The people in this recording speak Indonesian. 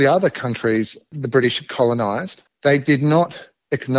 setelah semua negara lain yang dikolonisasi british